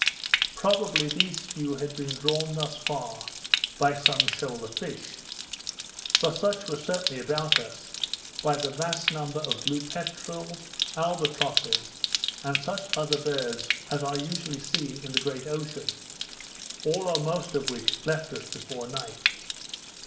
Probably these few had been drawn thus far by some shoal of fish; for such were certainly about us, by the vast number of blue peterels, albatrosses, and such other birds as are usually seen in the great ocean; all or most of which left us before night.